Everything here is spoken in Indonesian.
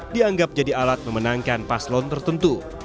dianggap jadi alat memenangkan paslon tertentu